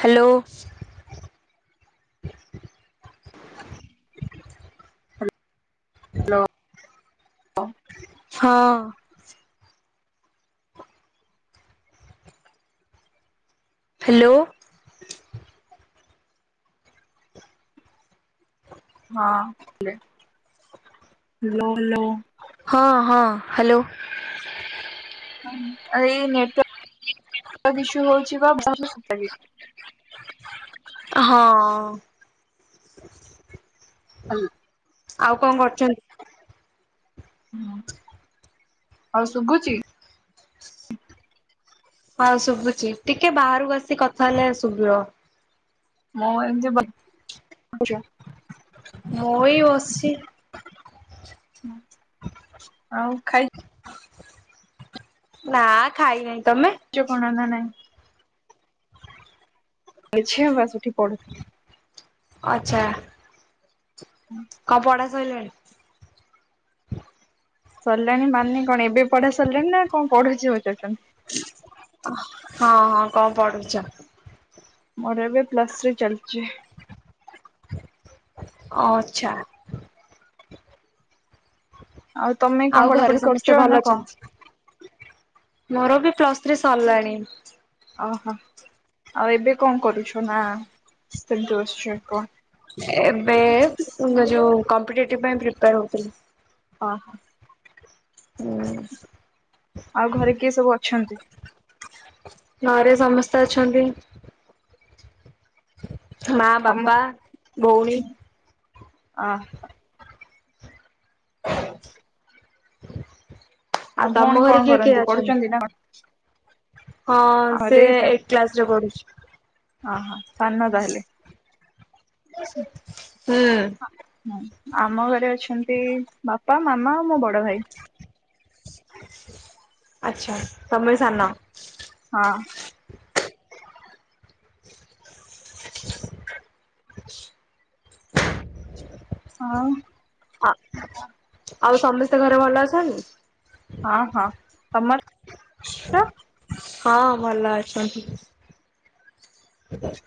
Hello. Hello [inaudible] ହଁ। Hello. ହଁ ଲୋ ଲୋ। ହଁ ହଁ ହ୍ୟାଲୋ। ଏଇ ନେଟୱର୍କ୍ ଇସସୁ ହଉଛି ପା ହଁ। ଆଉ କଣ କରୁଛନ୍ତି? ହଉ ଶୁଗୁଚି? ହଁ ଶୁଭୁଛି ଟିକେ ବାହାରକୁ ଆସି କଥା ହେଲେ ଶୁଭିବ। ମୁଁ ଏମିତି ବସିଚି ଆଛା। ମୁ ଏଇ ବସିଚି। ଆଉ ଖାଇ ନା ଖାଇ ନାଇଁ ତମେ? [inaudible] [inaudible] ବା ସେଠି ପଢ଼ ଆଚ୍ଛା। [inaudible] କଣ ପଢ଼ା ସଇଲାଣି। ସରିଲାଣି ମାନେ କଣ ଏବେ ପଢ଼ା ସରିଲାଣି ନା କଣ ପଢ଼ୁଚି ପଚାରୁଚ। ହଁ ହଁ କଣ ପଢୁଛ? ମୋର ଏବେ ପ୍ଲସ ଥ୍ରି ଚାଲିଛି। ଅଛା। ଆଉ ତମେ କଣ ଆଉ ଘରେ ପଢାପଢି କରୁଛ ସମସ୍ତେ ନା ଭଲ କଣ? ଅଛନ୍ତି ମୋର ବି ପ୍ଲସ୍ ଥ୍ରୀ ସରିଲାଣି। ଓହୋ ଆଉ ଏବେ କଣ କରୁଛ ନା ସେମିତି ବସୁଛ କଣ। ଏବେ ଯୋଉ କମ୍ପିଟେଟିଭ ପାଇଁ ପ୍ରିପେୟାର ହଉଥିଲି। ହଁ। [unintelligible] ଆଉ ଘରେ କିଏ ସବୁ ଅଛନ୍ତି? ଘରେ ସମସ୍ତେ ଅଛନ୍ତି। ମା ତମ ବାପା ଭଉଣୀ। ହ। [unintelligible] ଆଉ ତମ ଭଉଣୀ ଘରେ କଣ କିଏ କିଏ କରନ୍ତି ଅଛନ୍ତି? ପଢୁଛନ୍ତି ନା? ହଁ ଘରେ ସେ ଏଇଟ୍ କ୍ଲାସରେ ପଢୁଛି। ଓହୋ ସାନ ତାହାଲେ? ହୁଁ। ଆମ ଘରେ ଅଛନ୍ତି ବାପା ମାମା ଆଉ ମୋ ବଡ ଭାଇ। ଆଚ୍ଛା। ତମେ ସାନ? ହଁ। ଆଉ ଆଉ ସମସ୍ତେ ଘରେ ଭଲ ଅଛନ୍ତି? ହଁ ହଁ। ତମର? ହଁ ଭଲ ଅଛନ୍ତି। [unintelligible]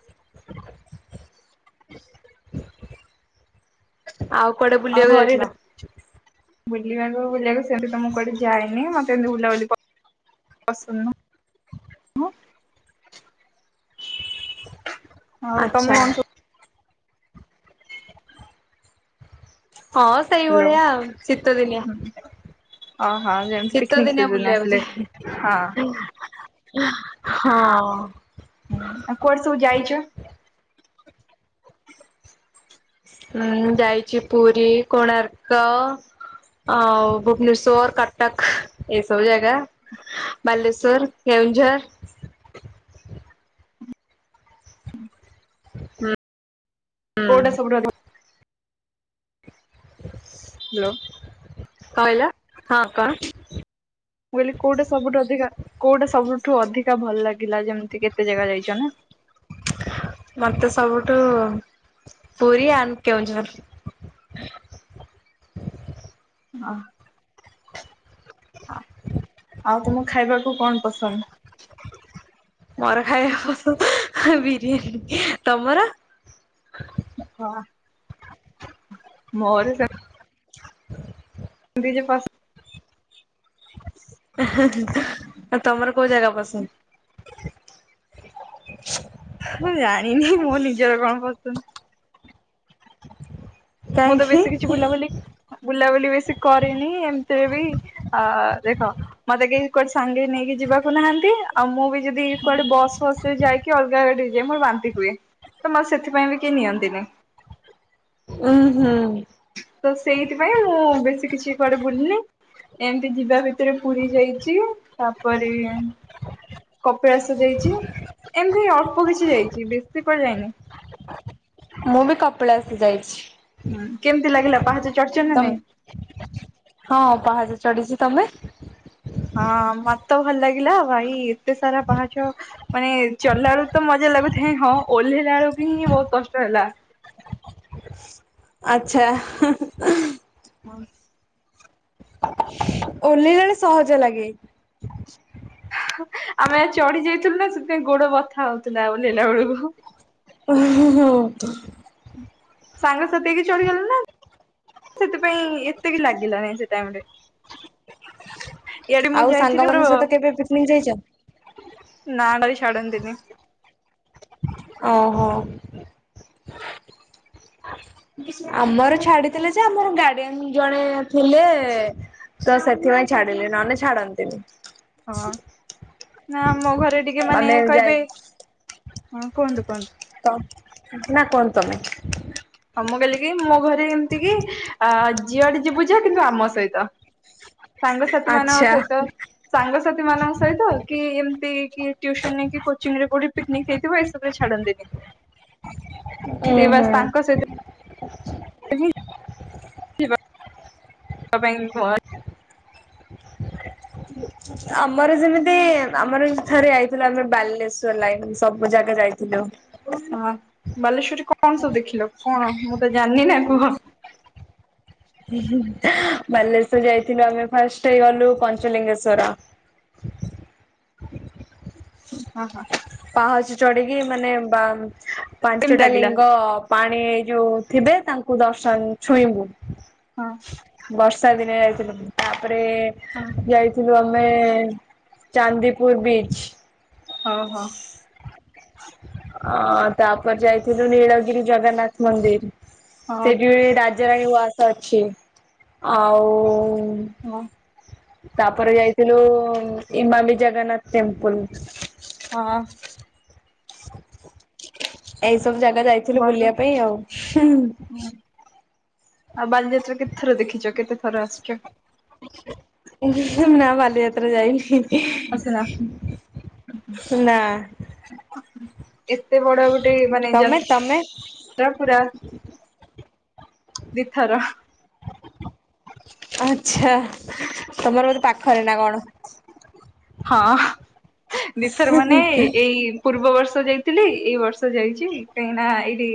ଆଉ କୁଆଡେ ଆ ବୁଲିବାକୁ ଘରେ ଯାଇଥିଲ? ବୁଲିବାକୁ ବୁଲିବାକୁ ସେମିତି ତ ମୁଁ କଆଡେ ଯାଇନି ମତେ ଏମିତି ବୁଲାବୁଲି ପ ପାସନ୍ଦନୁହଁ। ଆଉ ଆଚ୍ଛା ତମେ କଣ ସବୁ ହଁ ହାଲୋ ସେଇଭଳିଆ ଶୀତ ଦିନିଆ। ଓହୋ ଯେମିତି ଶୀତ ପିକନିକ ଦିନିଆ ସିଜନ ଆସିଲେ ବୁଲିବାକୁ ଯାଏ। ହଁ ହଁ। ଆଉ କୁଆଡେ ସବୁ ଯାଇଛ? ମୁଁ ଯାଇଛି ପୁରୀ କୋଣାର୍କ। ଆଉ ଭୁବନେଶ୍ୱଵର କଟକ ଏ ସବୁ ଜାଗା ବାଲେଶ୍ଵର କେଉଁଝର। ହୁଁ। କୋଉଟା [unintelligible] [unintelligible] ହ୍ୟାଲୋ। କଣ କହିଲ? ହଁ କଣ? ମୁଁ କହିଲି କୋଉଟା ସବୁଠୁ ଅଧିକା କୋଉଟା ସବୁଠୁ ଅଧିକା ଭଲ ଲାଗିଲା ଯେମିତି କେତେ ଜାଗା ଯାଇଛ ନା? ମତେ ସବୁଠୁ ପୁରୀ ଆଣ୍ଡ କେଉଁଝର। ହଁ ଆଉ ତମକୁ ଖାଇବାକୁ କଣ ପସନ୍ଦ? ବରା ଖାଇବାକୁ ପସନ୍ଦ ବିରିୟାନୀ ତମର କଣ? ମୋର ସେମିତି [unintelligible] [unintelligible] ଆଉ ତମର କୋଉ ଜାଗା ପସନ୍ଦ? ମୁଁ ଜାଣିନି ମୋ ନିଜର କଣ ପସନ୍ଦ। ମୁଁ ତ କାହିଁକି? ବେଶୀ କିଛି ବୁଲାବୁଲି ବୁଲାବୁଲି ବେଶୀ କରିନି ଏମିତିରେ ବି ଅ ଦେଖ ମତେ କେହି କୁଆଡେ ସାଙ୍ଗେରେ ନେଇକି ଯିବାକୁ ନାହାନ୍ତି। ଆଉ ମୁଁ ବି ଯଦି କୁଆଡେ ବସ୍ ଫସ୍ ସେ ଯାଇକି ଅଲଗା ଗାଡିରେ ଯାଏ ମୋର ବାନ୍ତି ହୁଏ। ତ ମତେ ସେଥିପାଇଁ ବି କେହି ନିଅନ୍ତିନି। ଉହୁଁ। ତ ସେଇଥିପାଇଁ ମୁଁ ବେଶୀ କିଛି କୁଆଡେ ବୁଲିନି। ଏମତି ଯିବା ଭିତରେ ପୁରୀ ଯାଇଛି। ତାପରେ କପିଳାସ ଯାଇଛି। ଏମତି ଅଳ୍ପ କିଛି ଯାଇଛି ବେଶୀ କୁଆଡେ଼ ଯାଇନି। ମୁଁ ବି କପିଳାସ ଯାଇଛି। ହୁଁ କେମିତି ଲାଗିଲା ପାହାଚ ଚଢିଛ ନା ନାଇଁ? ତମେ ହଁ ପାହାଚ ଚଢଛି। ତମେ? ହଁ ମତେ ତ ଭଲ ଲାଗିଲା ଭାଇ ଏତେ ସାରା ପାହାଚ। ମାନେ ଚଢିଲାବେଳକୁ ତ ମଜା ଲାଗୁଥାଏ, ହଁ ଓହ୍ଲେଇଲା ବେଳକୁ ହିଁ ବହୁତ କଷ୍ଟ ହେଲା। ଆଛା। [unintelligible] ଓହ୍ଲେଇଲାବେଳେ ସହଜ ଲାଗେ। ଆମେ ଚଢି ଯାଇଥିଲୁ ନା, ସେଥିପାଇଁ ଗୋଡ ବଥା ହଉଥିଲା ଓହ୍ଲେଇଲା ବେଳକୁ। ଉଁ ହୁଁ ହୁଁ। ସାଙ୍ଗସାଥୀ ହେଇକି ଚଢିଗଲ ନା ସେଥିପାଇଁ ଏତେବି ଲାଗିଲା ନାହିଁ ସେ ଟାଇମରେ। ଇଆଡେ ମୁଁ ଆଉ ଯାଇଥିଲି ମୋର ସାଙ୍ଗମାନଙ୍କ ସହିତ କେବେ ପିକନିକ ଯାଇଛ? ନାଁ ଟା ବି ଛାଡନ୍ତିନି। ଓହୋ। ଆମର ଛାଡିଥିଲେ ଯେ, ଆମର ଗାର୍ଡିଆନ ଜଣେ ଥିଲେ ତ ସେଥିପାଇଁ ଛାଡିଲେ ନହେଲେ ଛାଡନ୍ତିନି। ହଁ। ନା ଆମ ଘରେ ଟିକେ ମାନେ ଆମେ ଯାଇ କହିବେ, ହଁ, କୁହନ୍ତୁ କୁହନ୍ତୁ। ତ ନା କୁହନ୍ତୁ ତମେ। ହଁ ମୁଁ କହିଲ କିି, ମୋ ଘରେ ଏମିତି କି ଅ ଜିଆଡେ ଯିବୁ ଜା କିନ୍ତୁ ଆମ ସହିତ। ସାଙ୍ଗସାଥି ମାନଙ୍କ ଆଚ୍ଛା। ସହିତ ସାଙ୍ଗସାଥିମାନଙ୍କ ସହିତ କି ଏମିତି କି ଟ୍ୟୁସନ କି କୋଚିଂ ରେ କୋଉଠି ପିକନିକ ହେଇଥିବ, ଏଇସବୁ ରେ ଛାଡନ୍ତିନି। ହୁଁ ସେ ହୁଁ। ବାସ୍ ତାଙ୍କ ସହିତ [inaudible] ତ ପାଇଁ ଭଗବାନ ଆମର ଯେମିତି ଆମର ଥରେ ଯାଇଥିଲୁ ଆମେ ବାଲେଶ୍ୱର ଲାଇନ ସବୁ ଜାଗା ଯାଇଥିଲୁ। ହଁ। ହଁ ବାଲେଶ୍ଵରରେ କଣ ସବୁ ଦେଖିଲ? କଣ ମୁଁ ତ ଜାଣିନ ନା କୁହ। ବାଲେଶ୍ଵର ଯାଇଥିଲୁ ଆମେ ଫାଷ୍ଟ ଗଲୁ ପଞ୍ଚଲିଙ୍ଗେଶ୍ଵର। ହଁ ହଁ। ପାହଚ ଚଢିକି ମାନେ ବା କେମିତି ପାଞ୍ଚଟା ଲାଗିଲା ଲିଙ୍ଗ ପାଣି ଏ ଯୋଉ ଥିବେ, ତାଙ୍କୁ ଦର୍ଶନ ଛୁଇଁବୁ। ହଁ ବର୍ଷା ଦିନେ ଯାଇଥିଲୁ ତାପରେ ହଁ ଯାଇ ଥିଲୁ ଆମେ ଚାନ୍ଦିପୁର ବିଚ୍। ହଁ ହଁ। ଅ ତାପରେ ଯାଇଥିଲୁ ନୀଳଗିରି ଜଗନ୍ନାଥ ମନ୍ଦିର୍। ହଉ ସେଠି ବି ରାଜ ରାଣୀ ଉଆସ ଅଛି ଆଉ ହଉ ତାପରେ ଯାଇଥିଲୁ ଇମାମି ଜଗନ୍ନାଥ୍ ଟେମ୍ପୁଲ୍। ହଁ। ଏଇ ସବୁ ଜାଗା ଯାଇଥିଲୁ ବୁଲିବା ପାଇଁ ଆଉ। ହୁଁ -ହୁଁ। ହୁଁ- ଆଉ ବାଲିଯାତ୍ରା କେତେ ଥର ଦେଖିଚ କେତେ ଥର ଆସିଚ? ଇ- ହିଁ -ନା ବାଲିଯାତ୍ରା ଯାଇନି। ଆସିନା ନା। ଏତେ ବଡ ଗୋଟେ ମାନେ ତମେ ଯାତ୍ ତମେ ତ୍ରା ପୁରା ଦିଥର। ଆଛା ତମର ବୋଧେ ପାଖରେ ନା କଣ? ହଁ ଦିଥର ମାନେ ଏଇ ପୂର୍ବ ବର୍ଷ ଯାଇଥିଲି ଏଇ ବର୍ଷ ଯାଇଚି କାହିଁକିନା ଏଇଠି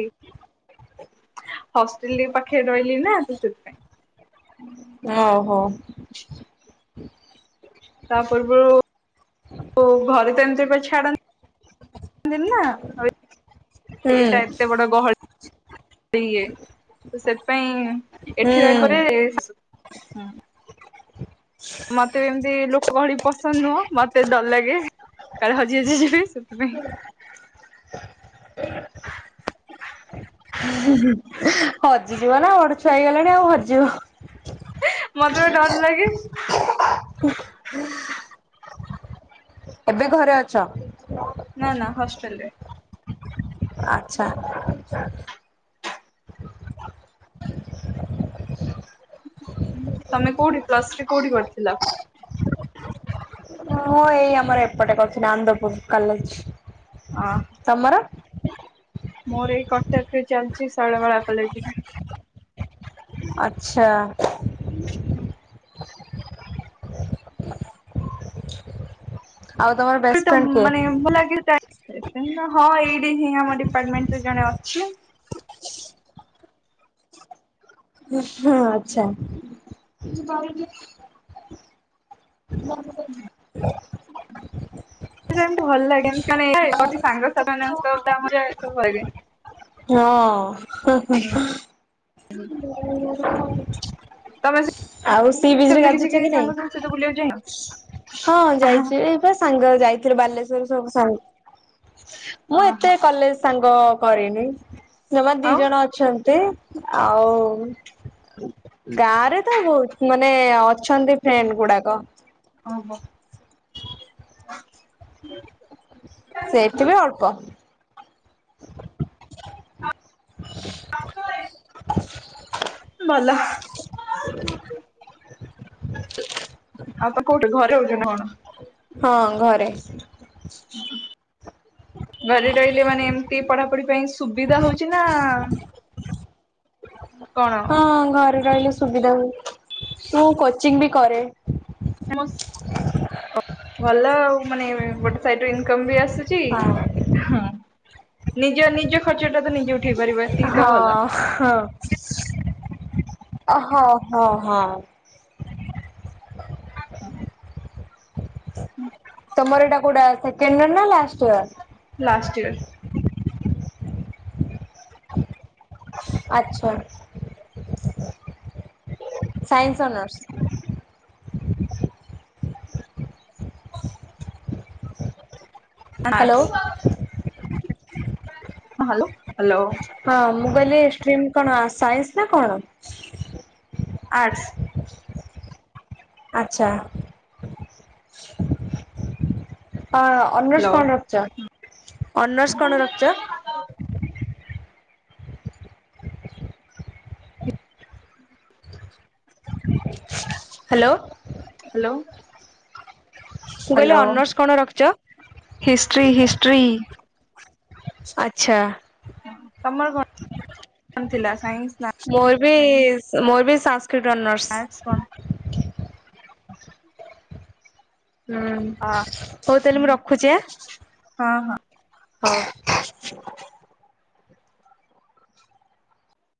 ହଷ୍ଟେଲରେ ଏଇ ପାଖେରେ ରହିଲି ନା ତ ସେଥିପାଇଁ। ଓହୋ। ତା ପୂର୍ବରୁ ଘରେ ତ ଏମିତି କେବେ ଛାଡନ୍ତି [inaudible] ହୁଁ ଏଇଟା ଏତେ ବଡ ଗହଳି। [inaudible] ଇଏ ତ ସେଥିପାଇଁ ଏଠି ହୁଁ। ରହିଲା ପରେ ହୁଁ। ମତେ ଏମତି ଲୋକ ଗହଳି ପସନ୍ଦ୍ ନୁହଁ ମତେ ଡର ଲାଗେ। କାଳେ ହଜି ହାଜି ଯିବି ସେଥିପାଇଁ। ହଜିଯିବ ନା ବଡ ଛୁଆ ହେଇଗଲେଣି ଆଉ ହଜିଯିବ। ମତେ ପା ଡର ଲାଗେ। ଏବେ ଘରେ ଅଛ? ନା ନା ହଷ୍ଟେଲ୍ ରେ। ଆଚ୍ଛା। ତମେ କଉଠି ପ୍ଲସ୍ ଥ୍ରୀ କଉଠି କରିଥିଲ? ମୁଁ ଏଇ ଆମର ଏପଟେ କରୁଥିଲି ଆନନ୍ଦପୁର କଲେଜ୍। ଅଁ। ତମର? ମୋର ଏଇ କଟକ ରେ ଚାଲିଚି ଶୈଳବାଳା କଲେଜ୍ ରେ। ଆଚ୍ଛା। [inaudible] ଆଉ ତମର ବେ [unintelligible] ହଁ ଏଇଠି ହିଁ ଆମ ଡିପାର୍ଟମେଣ୍ଟରେ ଜଣେ ଅଛି। ହୁଁ- ଆଛା। [inaudible] [unintelligible] ହଁ ତମେ [unintelligible] ଆଉ ସି ବିଚ୍ ରେ ସେମିତି କିଛି ଗାଧେଇଚ କି ନାଇଁ? ସାଙ୍ଗସାଥି ସହିତ ବୁଲିବାକୁ ଯାଇନ? ହଁ ଯାଇଚି। ସେ ସାଙ୍ଗ ଯାଇଥିଲୁ ବାଲେଶ୍ଵର ସବୁ ସାଙ୍ଗ- ମୁଁ ଏତେ ଓହୋ କଲେଜ୍ ସାଙ୍ଗ କରିନି ଯମା ଦି ଆଉ ଜଣ ଅଛନ୍ତି ଆଉ ଗାଁ ରେ ତ ବହୁତ୍ ମାନେ ଅଛନ୍ତି ଫ୍ରେଣ୍ଡ୍ ଗୁଡାକ। ଓହୋ। ସେଇଠି ବି ଅଳ୍ପ। ଆସ ଭାରି। ଭଲ। ଆଉ ତ କୋଉଠି ଘରେ ରହୁଚ ନା କଣ? ହଁ ଘରେ। ଘରେ ରହିଲେ ମାନେ ଏମତି ପଢ଼ାପଢ଼ି ପାଇଁ ସୁବିଧା ହଉଚି ନା ଆ ଆ କଣ? ହଁ ଘରେ ରହିଲେ ସୁବିଧା ହୁଏ ମୁଁ କୋଚିଂ ବି କରେ। ଭଲ ଆଉ ମାନେ ଗୋଟେ ସାଇଡ଼ରେ ଇନକମ୍ ବି ଆସୁଚି। ହଁ ନିଜ ନିଜ ଖର୍ଚ୍ଚ ଟା ତ ନିଜେ ଉଠେଇ ପାରିବା। ହଁ ହ ଅ ହଁ ହଁ ହଁ। ହୁଁ ହୁଁ। ତମର ଏଟା କୋଉଟା ସେକେଣ୍ଡ ଇୟର ନା ଲାଷ୍ଟ ଇୟର? Last year. ଆଛା ସାଇନ୍ସ ଅନର୍ସ? କଣ ହ୍ୟାଲୋ ଆର୍ଟ୍ସ ହଁ ହାଲୋ ହାଲୋ ହଁ ମୁଁ କହିଲି ଷ୍ଟ୍ରିମ୍ କଣ ସାଇନ୍ସ ନା କଣ? ଆଟ୍ସ। ଆଚ୍ଛା କଣ ଅନର୍ସ ହ୍ୟାଲୋ କଣ ରଖଚ ଅନର୍ସ କଣ ରଖଚ? ହାଲୋ। ହାଲୋ। ମୁଁ କହିଲି ଅନର୍ସ କଣ ରଖିଚ? History history. ଆଚ୍ଛା। ହଁ ତମର କଣ କଣ ଥିଲା ସାଇନ୍ସ ନା ଆ ମୋର ବି ସ ମୋର ବି ସାଂସ୍କ୍ରିଟ ଅନର୍ସ। ଆର୍ଟ୍ସ କଣ? ହୁଁ ହଁ ହଉ ତାହାଲେ ମୁଁ ରଖୁଚି ଆଁ? ହଁ।